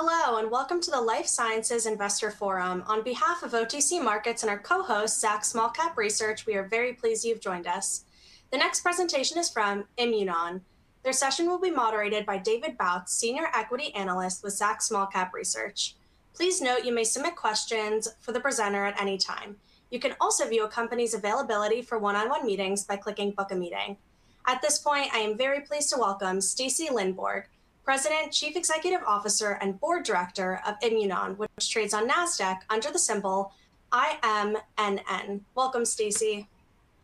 Hello, welcome to the Life Sciences Investor Forum. On behalf of OTC Markets and our co-host, Zacks Small-Cap Research, we are very pleased you've joined us. The next presentation is from Imunon. Their session will be moderated by David Bautz, Senior Equity Analyst with Zacks Small-Cap Research. Please note you may submit questions for the presenter at any time. You can also view a company's availability for one-on-one meetings by clicking "book a meeting." At this point, I am very pleased to welcome Stacy Lindborg, President, Chief Executive Officer, and Board Director of Imunon, which trades on NASDAQ under the symbol IMNN. Welcome, Stacy.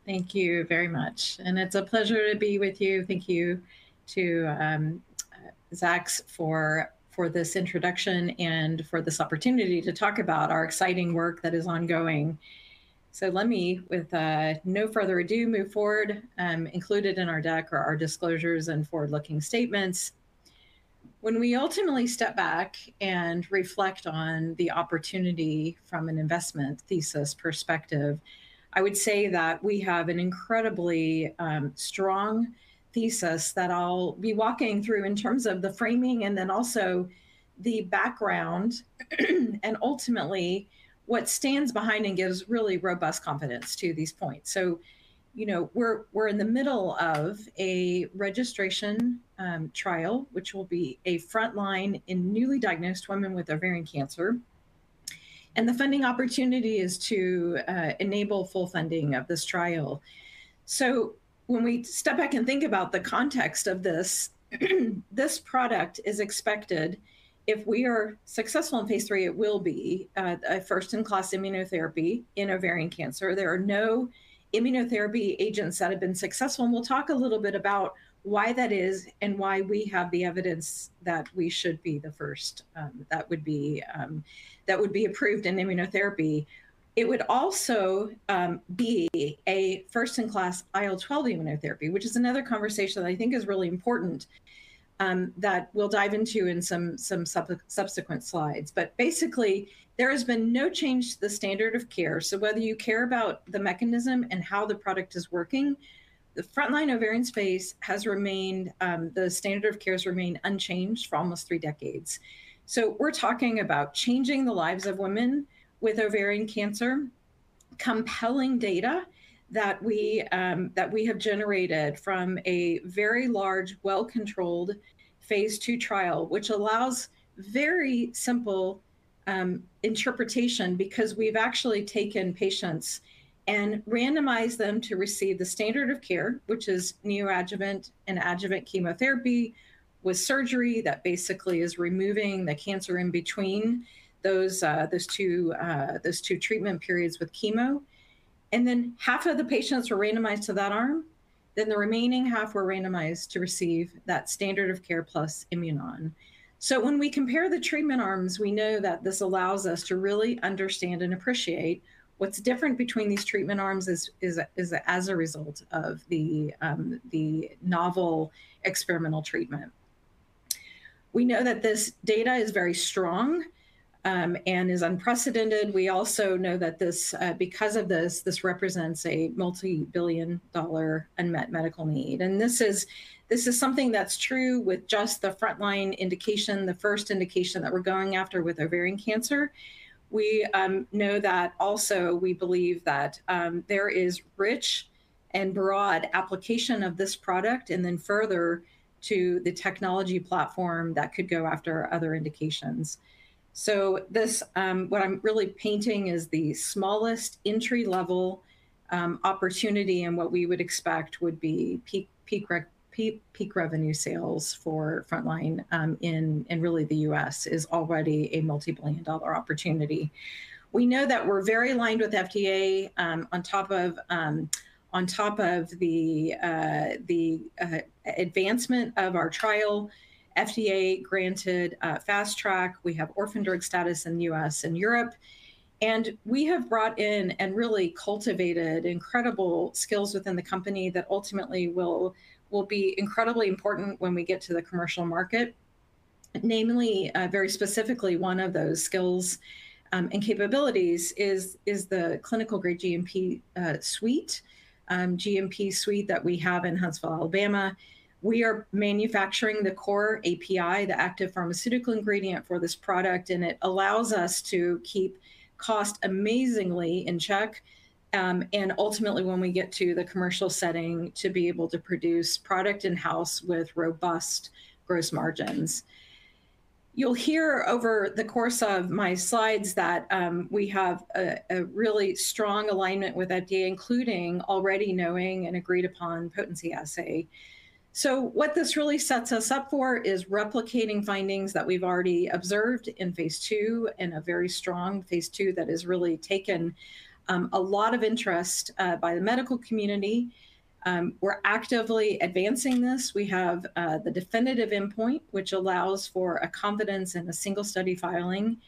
Thank you very much. It's a pleasure to be with you. Thank you to Zacks for this introduction and for this opportunity to talk about our exciting work that is ongoing. Let me, with no further ado, move forward. Included in our deck are our disclosures and forward-looking statements. When we ultimately step back and reflect on the opportunity from an investment thesis perspective, I would say that we have an incredibly strong thesis that I'll be walking through in terms of the framing and then also the background, and ultimately what stands behind and gives really robust confidence to these points. We're in the middle of a registration trial, which will be a frontline in newly diagnosed women with ovarian cancer. The funding opportunity is to enable full funding of this trial. When we step back and think about the context of this product is expected, if we are successful in phase III, it will be a first-in-class immunotherapy in ovarian cancer. There are no immunotherapy agents that have been successful, and we'll talk a little bit about why that is and why we have the evidence that we should be the first that would be approved in immunotherapy. It would also be a first-in-class IL-12 immunotherapy, which is another conversation that I think is really important that we'll dive into in some subsequent slides. Basically, there has been no change to the standard of care. Whether you care about the mechanism and how the product is working, the frontline ovarian space, the standard of care has remained unchanged for almost three decades. We're talking about changing the lives of women with ovarian cancer, compelling data that we have generated from a very large, well-controlled phase II trial, which allows very simple interpretation because we've actually taken patients and randomized them to receive the standard of care, which is neoadjuvant and adjuvant chemotherapy with surgery that basically is removing the cancer in between those two treatment periods with chemo. Then half of the patients were randomized to that arm, then the remaining half were randomized to receive that standard of care plus Imunon. When we compare the treatment arms, we know that this allows us to really understand and appreciate what's different between these treatment arms as a result of the novel experimental treatment. We know that this data is very strong and is unprecedented. We also know that because of this represents a multi-billion dollar unmet medical need. This is something that's true with just the frontline indication, the first indication that we're going after with ovarian cancer. We know that also we believe that there is rich and broad application of this product, and then further to the technology platform that could go after other indications. What I'm really painting is the smallest entry-level opportunity, and what we would expect would be peak revenue sales for frontline in really the U.S. is already a multi-billion dollar opportunity. We know that we're very aligned with FDA on top of the advancement of our trial. FDA granted Fast Track. We have orphan drug status in the U.S. and Europe, and we have brought in and really cultivated incredible skills within the company that ultimately will be incredibly important when we get to the commercial market. Namely, very specifically, one of those skills and capabilities is the clinical-grade GMP suite that we have in Huntsville, Alabama. We are manufacturing the core API, the active pharmaceutical ingredient for this product, and it allows us to keep cost amazingly in check. Ultimately, when we get to the commercial setting, to be able to produce product in-house with robust gross margins. You'll hear over the course of my slides that we have a really strong alignment with FDA, including already knowing and agreed upon potency assay. What this really sets us up for is replicating findings that we've already observed in phase II, and a very strong phase II that has really taken a lot of interest by the medical community. We're actively advancing this. We have the definitive endpoint, which allows for a confidence in a single study filing.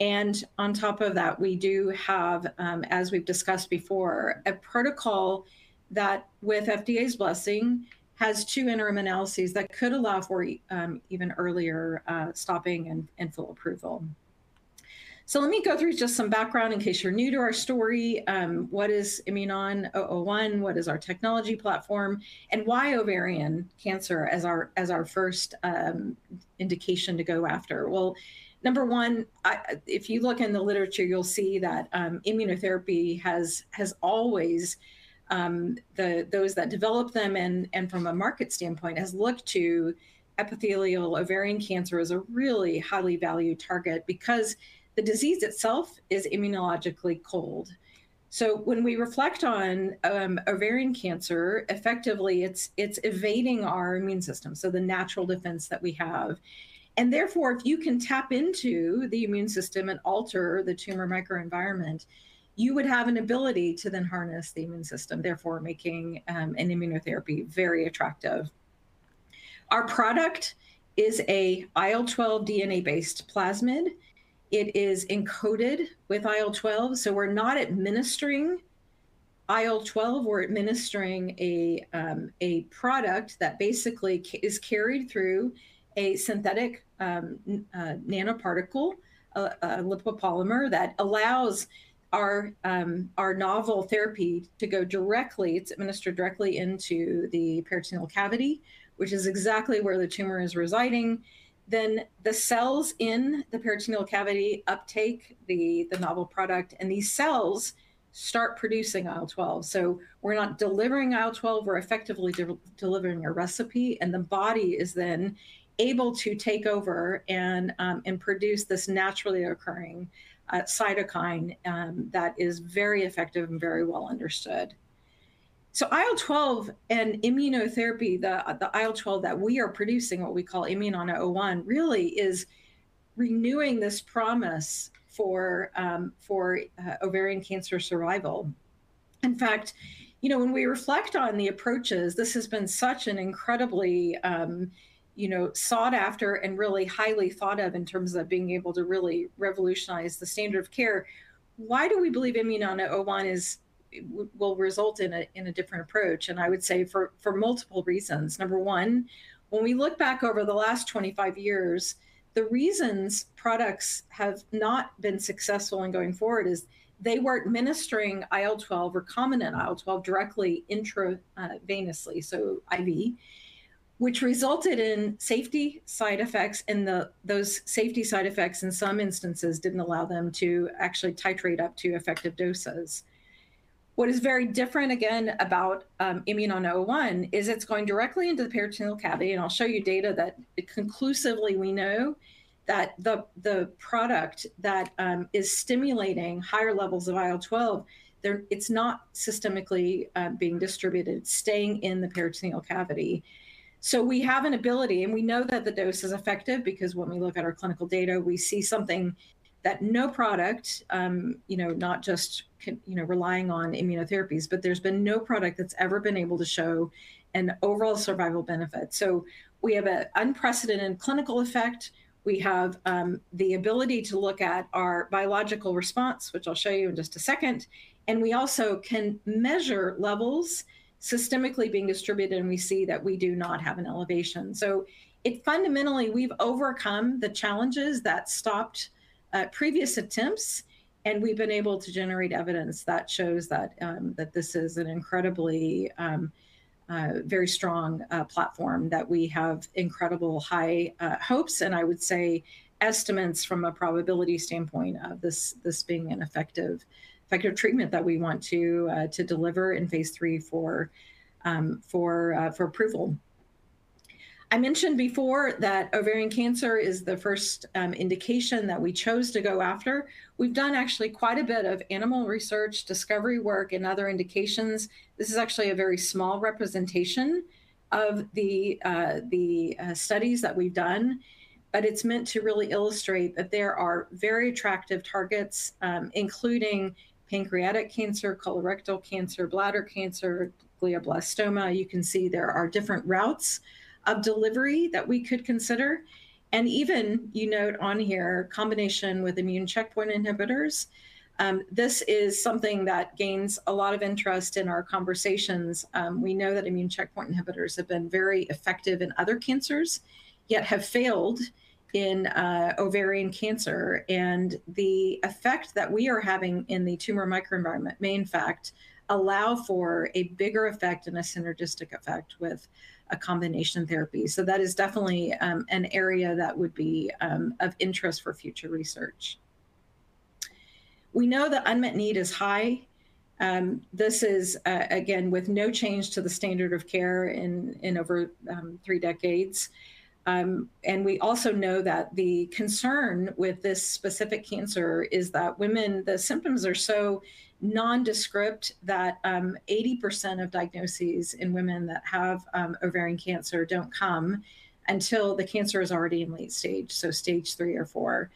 On top of that, we do have, as we've discussed before, a protocol that, with FDA's blessing, has two interim analyses that could allow for even earlier stopping and full approval. Let me go through just some background in case you're new to our story. What is IMNN-001? What is our technology platform? Why ovarian cancer as our first indication to go after? Number one, if you look in the literature, you'll see that immunotherapy has always, those that develop them and from a market standpoint, has looked to epithelial ovarian cancer as a really highly valued target because the disease itself is immunologically cold. When we reflect on ovarian cancer, effectively it's evading our immune system, the natural defense that we have. Therefore, if you can tap into the immune system and alter the tumor microenvironment, you would have an ability to then harness the immune system, therefore making an immunotherapy very attractive. Our product is a IL-12 DNA-based plasmid. It is encoded with IL-12, so we're not administering IL-12, we're administering a product that basically is carried through a synthetic nanoparticle, a lipopolymer that allows our novel therapy to go directly, it's administered directly into the peritoneal cavity, which is exactly where the tumor is residing. The cells in the peritoneal cavity uptake the novel product, and these cells start producing IL-12. We're not delivering IL-12, we're effectively delivering a recipe, and the body is then able to take over and produce this naturally occurring cytokine that is very effective and very well understood. IL-12 and immunotherapy, the IL-12 that we are producing, what we call IMNN-001, really is renewing this promise for ovarian cancer survival. In fact, when we reflect on the approaches, this has been such an incredibly sought-after and really highly thought of in terms of being able to really revolutionize the standard of care. Why do we believe IMNN-001 will result in a different approach? I would say for multiple reasons. Number 1, when we look back over the last 25 years, the reasons products have not been successful in going forward is they were administering IL-12, recombinant IL-12 directly intravenously, so IV, which resulted in safety side effects, and those safety side effects in some instances didn't allow them to actually titrate up to effective doses. What is very different, again, about IMNN-001 is it's going directly into the peritoneal cavity, and I'll show you data that conclusively we know that the product that is stimulating higher levels of IL-12, it's not systemically being distributed. It's staying in the peritoneal cavity. We have an ability, and we know that the dose is effective because when we look at our clinical data, we see something that no product, not just relying on immunotherapies, but there's been no product that's ever been able to show an overall survival benefit. We have an unprecedented clinical effect. We have the ability to look at our biological response, which I'll show you in just a second, and we also can measure levels systemically being distributed, and we see that we do not have an elevation. Fundamentally, we've overcome the challenges that stopped previous attempts, and we've been able to generate evidence that shows that this is an incredibly, very strong platform, that we have incredibly high hopes and, I would say, estimates from a probability standpoint of this being an effective treatment that we want to deliver in phase III for approval. I mentioned before that ovarian cancer is the first indication that we chose to go after. We've done actually quite a bit of animal research, discovery work in other indications. This is actually a very small representation of the studies that we've done, but it's meant to really illustrate that there are very attractive targets, including pancreatic cancer, colorectal cancer, bladder cancer, glioblastoma. You can see there are different routes of delivery that we could consider, and even, you note on here, combination with immune checkpoint inhibitors. This is something that gains a lot of interest in our conversations. We know that immune checkpoint inhibitors have been very effective in other cancers, yet have failed in ovarian cancer. The effect that we are having in the tumor microenvironment may in fact allow for a bigger effect and a synergistic effect with a combination therapy. That is definitely an area that would be of interest for future research. We know the unmet need is high. This is, again, with no change to the standard of care in over 3 decades. We also know that the concern with this specific cancer is that women, the symptoms are so nondescript that 80% of diagnoses in women that have ovarian cancer don't come until the cancer is already in late stage, so stage 3 or 4.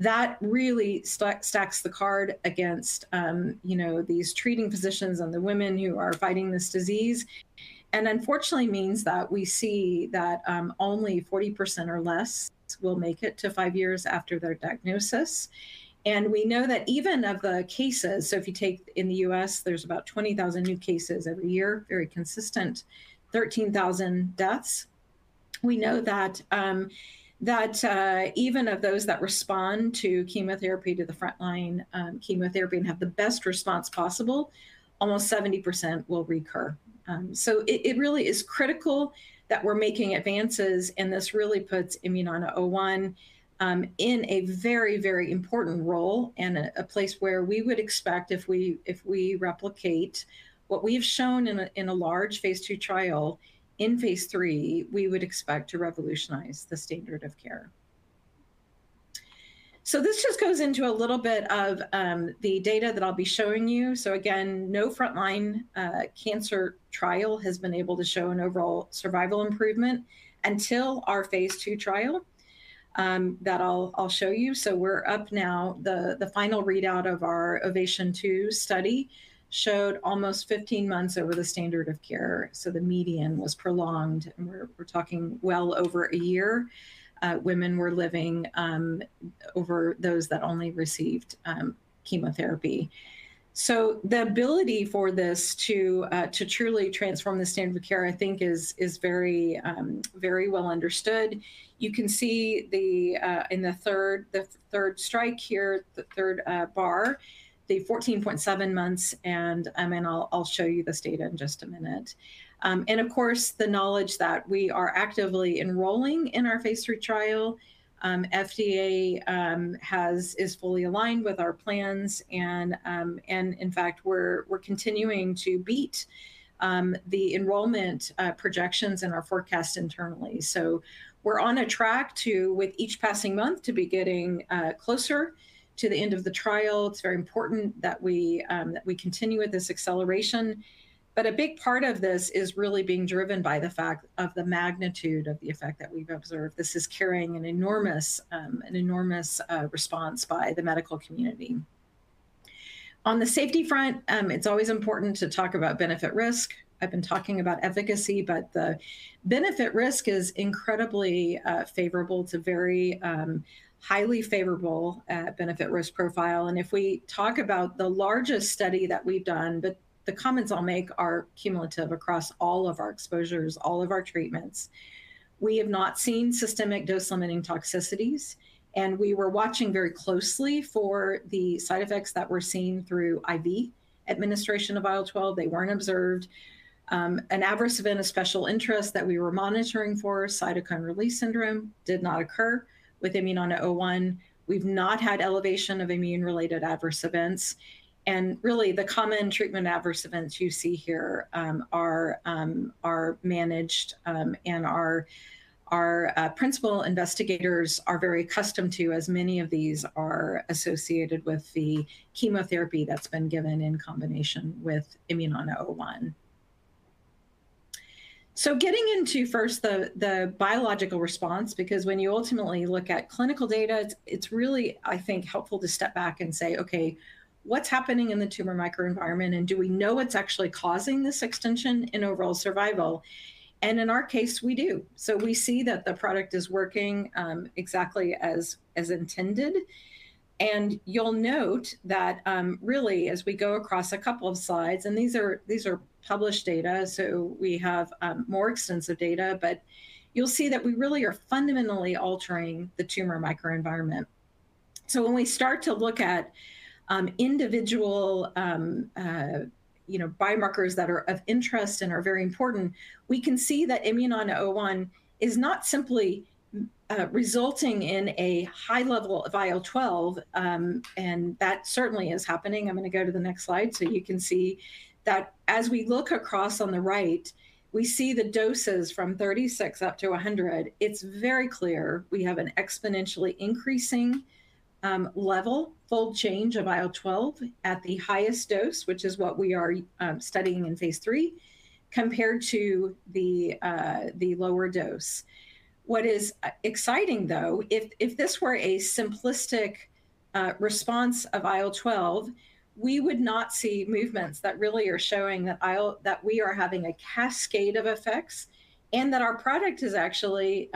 That really stacks the card against these treating physicians and the women who are fighting this disease, and unfortunately means that we see that only 40% or less will make it to five years after their diagnosis. We know that even of the cases, so if you take in the U.S., there's about 20,000 new cases every year, very consistent, 13,000 deaths. We know that even of those that respond to chemotherapy, to the frontline chemotherapy, and have the best response possible, almost 70% will recur. It really is critical that we're making advances, and this really puts IMNN-001 in a very, very important role and a place where we would expect if we replicate what we've shown in a large phase II trial, in phase III, we would expect to revolutionize the standard of care. This just goes into a little bit of the data that I'll be showing you. Again, no frontline cancer trial has been able to show an overall survival improvement until our phase II trial that I'll show you. We're up now. The final readout of our OVATION 2 study showed almost 15 months over the standard of care. The median was prolonged, and we're talking well over a year women were living over those that only received chemotherapy. The ability for this to truly transform the standard of care, I think, is very well understood. You can see in the third strike here, the third bar, the 14.7 months, and I'll show you this data in just a minute. Of course, the knowledge that we are actively enrolling in our phase III trial. FDA is fully aligned with our plans and, in fact, we're continuing to beat the enrollment projections in our forecast internally. We're on a track to, with each passing month, to be getting closer to the end of the trial. It's very important that we continue with this acceleration. A big part of this is really being driven by the fact of the magnitude of the effect that we've observed. This is carrying an enormous response by the medical community. On the safety front, it's always important to talk about benefit-risk. I've been talking about efficacy, but the benefit-risk is incredibly favorable. It's a very highly favorable benefit-risk profile. If we talk about the largest study that we've done, but the comments I'll make are cumulative across all of our exposures, all of our treatments, we have not seen systemic dose-limiting toxicities, and we were watching very closely for the side effects that were seen through IV administration of IL-12. They weren't observed. An adverse event of special interest that we were monitoring for, cytokine release syndrome, did not occur with IMNN-001. We've not had elevation of immune-related adverse events. Really, the common treatment adverse events you see here are managed and our principal investigators are very accustomed to, as many of these are associated with the chemotherapy that's been given in combination with IMNN-001. Getting into first the biological response, because when you ultimately look at clinical data, it's really, I think, helpful to step back and say, "Okay, what's happening in the tumor microenvironment, and do we know what's actually causing this extension in overall survival?" In our case, we do. We see that the product is working exactly as intended. You'll note that really, as we go across a couple of slides, and these are published data, we have more extensive data, but you'll see that we really are fundamentally altering the tumor microenvironment. When we start to look at individual biomarkers that are of interest and are very important, we can see that IMNN-001 is not simply resulting in a high level of IL-12, and that certainly is happening. I'm going to go to the next slide so you can see that as we look across on the right, we see the doses from 36 up to 100. It's very clear we have an exponentially increasing level, fold change of IL-12 at the highest dose, which is what we are studying in Phase III, compared to the lower dose. What is exciting, though, if this were a simplistic response of IL-12, we would not see movements that really are showing that we are having a cascade of effects and that our product is actually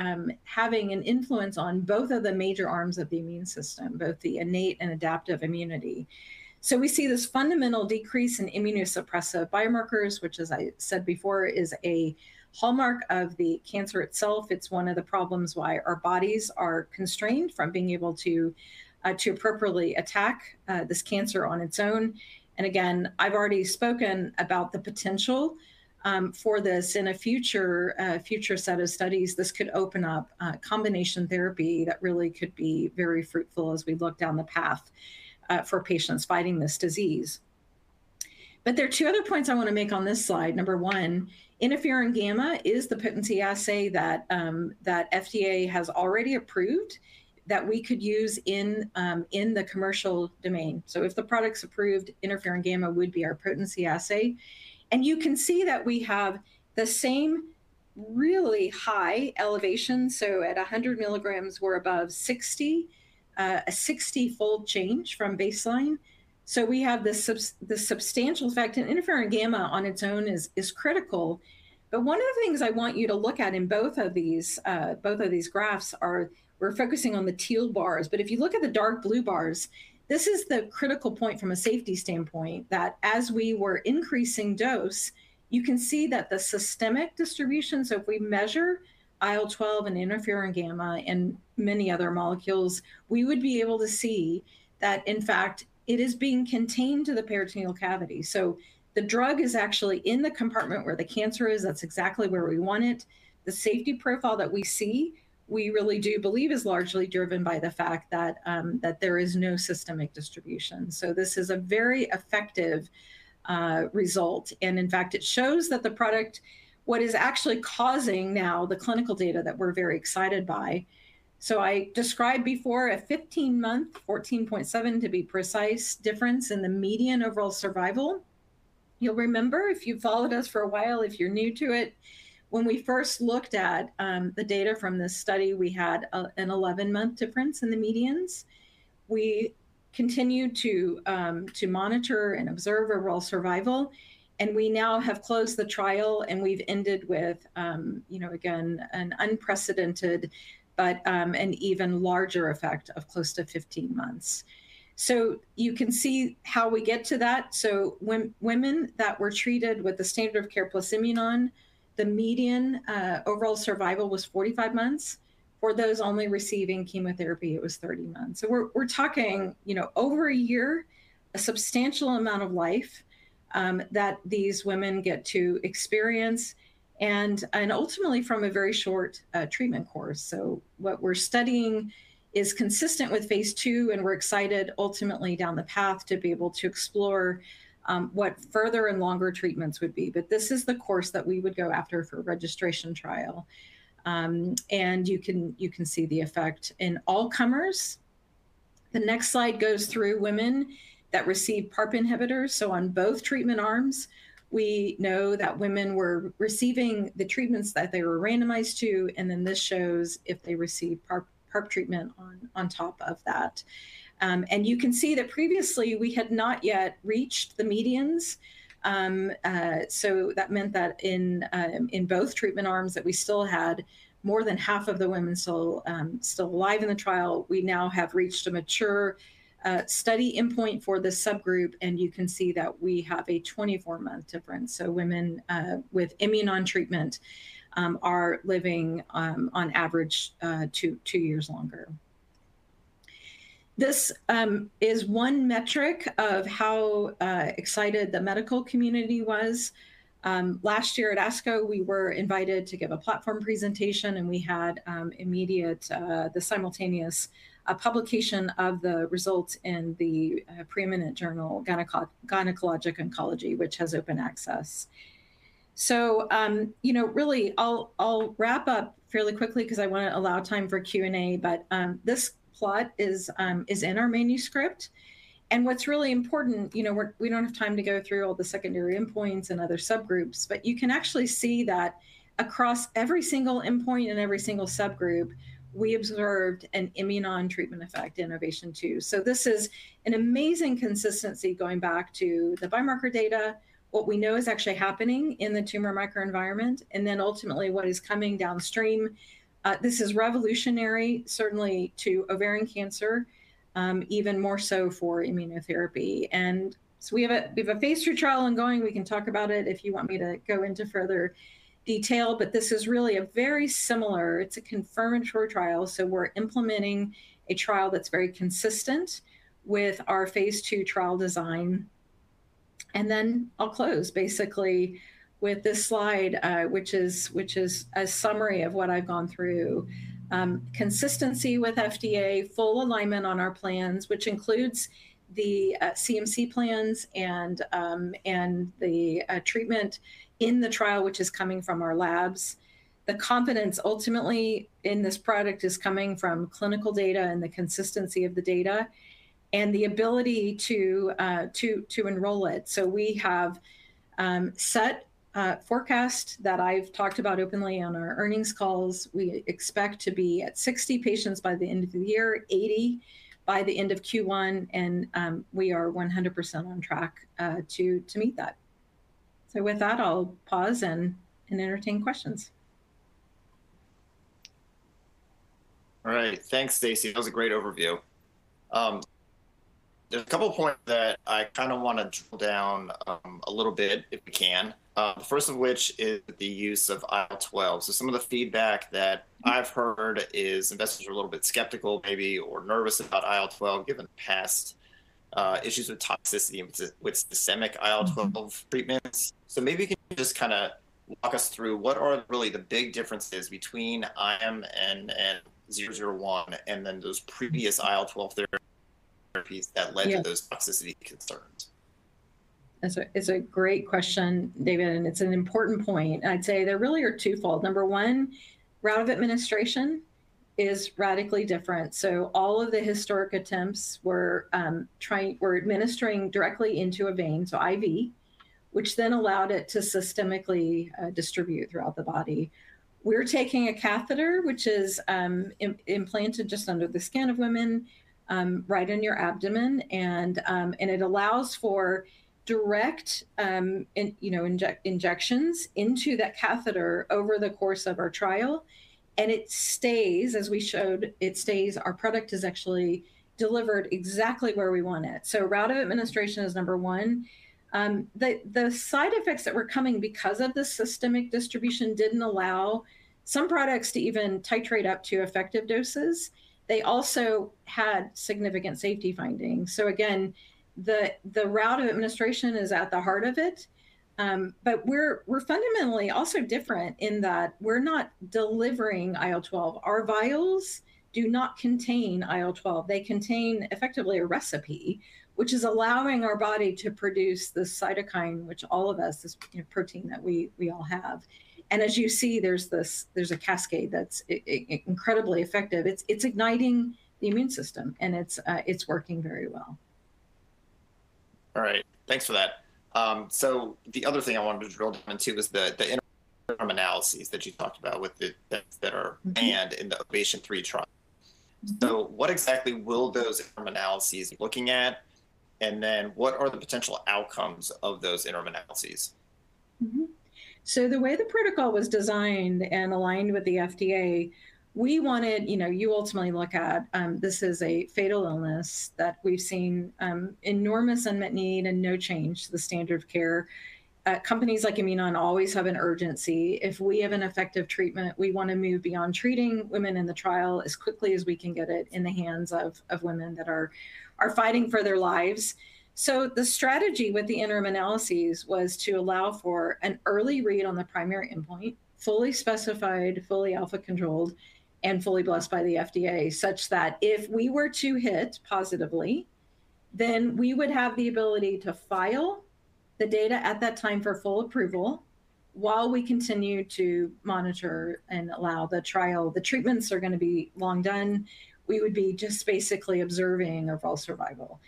having an influence on both of the major arms of the immune system, both the innate and adaptive immunity. We see this fundamental decrease in immunosuppressive biomarkers, which, as I said before, is a hallmark of the cancer itself. It's one of the problems why our bodies are constrained from being able to appropriately attack this cancer on its own. Again, I've already spoken about the potential for this in a future set of studies. This could open up combination therapy that really could be very fruitful as we look down the path for patients fighting this disease. There are two other points I want to make on this slide. Number one, interferon gamma is the potency assay that FDA has already approved that we could use in the commercial domain. If the product's approved, interferon gamma would be our potency assay. You can see that we have the same Really high elevation. At 100 milligrams, we're above 60, a 60-fold change from baseline. We have this substantial effect, and interferon gamma on its own is critical. One of the things I want you to look at in both of these graphs are we're focusing on the teal bars, but if you look at the dark blue bars, this is the critical point from a safety standpoint, that as we were increasing dose, you can see that the systemic distribution. If we measure IL-12 and interferon gamma and many other molecules, we would be able to see that, in fact, it is being contained to the peritoneal cavity. The drug is actually in the compartment where the cancer is. That's exactly where we want it. The safety profile that we see, we really do believe is largely driven by the fact that there is no systemic distribution. This is a very effective result, and in fact, it shows that the product, what is actually causing now the clinical data that we're very excited by. I described before a 15-month, 14.7 to be precise, difference in the median overall survival. You'll remember if you've followed us for a while, if you're new to it, when we first looked at the data from this study, we had an 11-month difference in the medians. We continued to monitor and observe overall survival, and we now have closed the trial, and we've ended with again, an unprecedented, but an even larger effect of close to 15 months. You can see how we get to that. Women that were treated with the standard of care plus Imunon, the median overall survival was 45 months. For those only receiving chemotherapy, it was 30 months. We're talking over a year, a substantial amount of life, that these women get to experience, and ultimately from a very short treatment course. What we're studying is consistent with phase II, and we're excited ultimately down the path to be able to explore what further and longer treatments would be. This is the course that we would go after for registration trial. You can see the effect in all comers. The next slide goes through women that receive PARP inhibitors. On both treatment arms, we know that women were receiving the treatments that they were randomized to, and then this shows if they received PARP treatment on top of that. You can see that previously we had not yet reached the medians. That meant that in both treatment arms, that we still had more than half of the women still alive in the trial. We now have reached a mature study endpoint for this subgroup, and you can see that we have a 24-month difference. Women with Imunon treatment are living on average two years longer. This is one metric of how excited the medical community was. Last year at ASCO, we were invited to give a platform presentation, and we had immediate, the simultaneous publication of the results in the pre-eminent journal, "Gynecologic Oncology," which has open access. Really I'll wrap up fairly quickly because I want to allow time for Q&A, but this plot is in our manuscript. What's really important, we don't have time to go through all the secondary endpoints and other subgroups, but you can actually see that across every single endpoint and every single subgroup, we observed an Imunon treatment effect in OVATION 2. This is an amazing consistency going back to the biomarker data, what we know is actually happening in the tumor microenvironment, and then ultimately what is coming downstream. This is revolutionary, certainly to ovarian cancer, even more so for immunotherapy. We have a phase II trial ongoing. We can talk about it if you want me to go into further detail, but this is really a very similar, it's a confirmatory trial, so we're implementing a trial that's very consistent with our phase II trial design. I'll close basically with this slide, which is a summary of what I've gone through. Consistency with FDA, full alignment on our plans, which includes the CMC plans and the treatment in the trial, which is coming from our labs. The confidence ultimately in this product is coming from clinical data and the consistency of the data and the ability to enroll it. We have set a forecast that I've talked about openly on our earnings calls. We expect to be at 60 patients by the end of the year, 80 by the end of Q1, and we are 100% on track to meet that. With that, I'll pause and entertain questions. All right. Thanks, Stacy. That was a great overview. There's a couple points that I want to drill down a little bit if we can. The first of which is the use of IL-12. Some of the feedback that I've heard is investors are a little bit skeptical maybe, or nervous about IL-12 given past issues with toxicity with systemic IL-12 treatments. Maybe you can just walk us through what are really the big differences between IMNN-001, and then those previous IL-12 therapies that led to those toxicity concerns. It's a great question, David, and it's an important point. I'd say there really are twofold. Number 1, route of administration is radically different. All of the historic attempts were administering directly into a vein, so IV, which then allowed it to systemically distribute throughout the body. We're taking a catheter, which is implanted just under the skin of women, right in your abdomen, and it allows for direct injections into that catheter over the course of our trial, and it stays, as we showed, our product is actually delivered exactly where we want it. Route of administration is number 1. The side effects that were coming because of the systemic distribution didn't allow some products to even titrate up to effective doses. They also had significant safety findings. Again, the route of administration is at the heart of it. We're fundamentally also different in that we're not delivering IL-12. Our vials do not contain IL-12. They contain, effectively, a recipe, which is allowing our body to produce this cytokine, which all of us, this protein that we all have. As you see, there's a cascade that's incredibly effective. It's igniting the immune system, and it's working very well. All right. Thanks for that. The other thing I wanted to drill down into was the interim analyses that you talked about with the deaths that are planned in the OVATION 3 trial. What exactly will those interim analyses be looking at, and then what are the potential outcomes of those interim analyses? The way the protocol was designed and aligned with the FDA, you ultimately look at, this is a fatal illness that we've seen enormous unmet need and no change to the standard of care. Companies like Imunon always have an urgency. If we have an effective treatment, we want to move beyond treating women in the trial as quickly as we can get it in the hands of women that are fighting for their lives. The strategy with the interim analyses was to allow for an early read on the primary endpoint, fully specified, fully alpha controlled, and fully blessed by the FDA, such that if we were to hit positively, then we would have the ability to file the data at that time for full approval while we continue to monitor and allow the trial. The treatments are going to be long done. We would be just basically observing overall survival.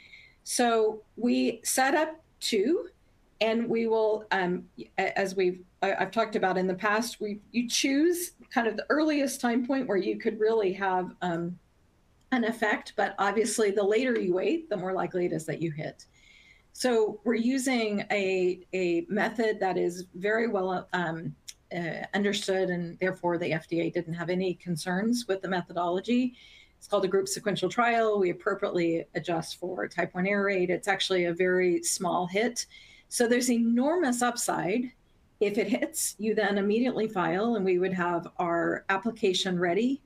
We set up two, and as I've talked about in the past, you choose the earliest time point where you could really have an effect. Obviously, the later you wait, the more likely it is that you hit. We're using a method that is very well understood, and therefore the FDA didn't have any concerns with the methodology. It's called a group sequential trial. We appropriately adjust for Type I error rate. It's actually a very small hit. There's enormous upside. If it hits, you then immediately file, and we would have our application ready,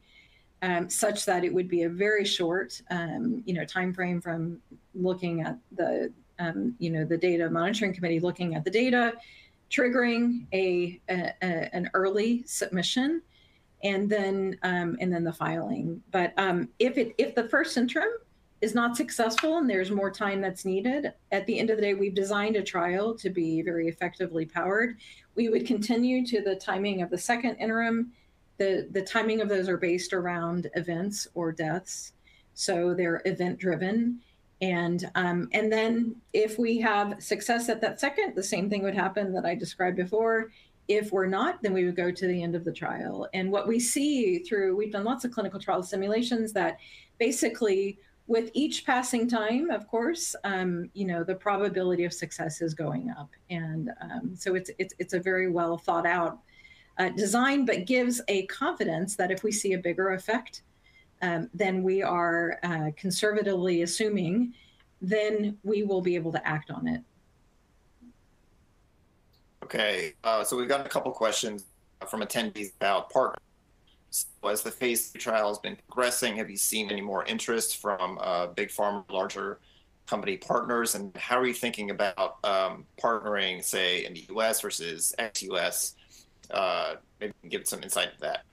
such that it would be a very short timeframe from the data monitoring committee looking at the data, triggering an early submission, and then the filing. If the first interim is not successful and there's more time that's needed, at the end of the day, we've designed a trial to be very effectively powered. We would continue to the timing of the second interim. The timing of those are based around events or deaths, so they're event driven. If we have success at that second, the same thing would happen that I described before. If we're not, we would go to the end of the trial. What we see through, we've done lots of clinical trial simulations that basically with each passing time, of course, the probability of success is going up. It's a very well thought out design, but gives a confidence that if we see a bigger effect than we are conservatively assuming, then we will be able to act on it. We've got a couple questions from attendees about partners. As the phase III trial has been progressing, have you seen any more interest from big pharma, larger company partners, and how are you thinking about partnering, say, in the U.S. versus ex-U.S.? Maybe can give some insight into that.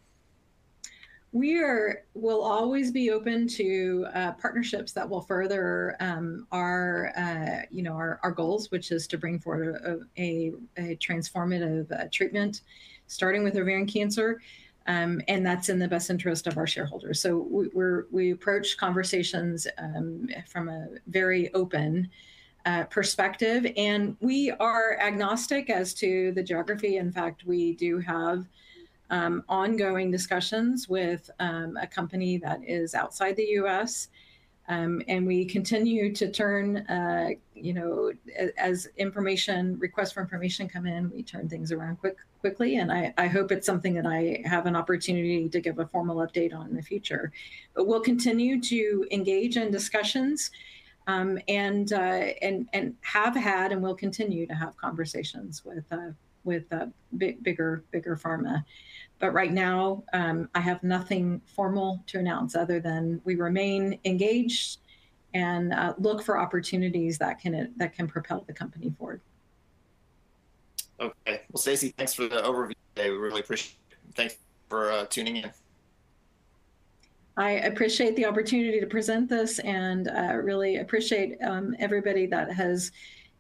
We'll always be open to partnerships that will further our goals, which is to bring forth a transformative treatment, starting with ovarian cancer, and that's in the best interest of our shareholders. We approach conversations from a very open perspective, and we are agnostic as to the geography. In fact, we do have ongoing discussions with a company that is outside the U.S., and we continue to turn, as requests for information come in, we turn things around quickly, and I hope it's something that I have an opportunity to give a formal update on in the future. We'll continue to engage in discussions, and have had and will continue to have conversations with bigger pharma. Right now, I have nothing formal to announce other than we remain engaged and look for opportunities that can propel the company forward. Stacy, thanks for the overview today. We really appreciate it. Thanks for tuning in. I appreciate the opportunity to present this, and really appreciate everybody that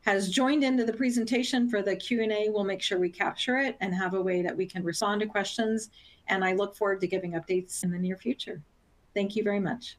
has joined into the presentation for the Q&A. We'll make sure we capture it and have a way that we can respond to questions, and I look forward to giving updates in the near future. Thank you very much.